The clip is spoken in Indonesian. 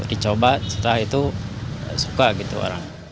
dicoba setelah itu suka gitu orang